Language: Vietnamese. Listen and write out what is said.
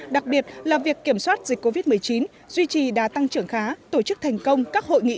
đặc biệt là việc kiểm soát dịch covid một mươi chín duy trì đã tăng trưởng khá tổ chức thành công các hội nghị